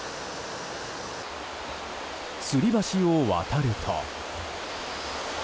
つり橋を渡ると。